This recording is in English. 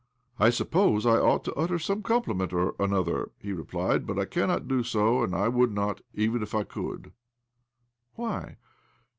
" I suppose I ought to utter some compli ment or another," he replied. " But I cajinot do so, and I would not, even if I could.". "Why?"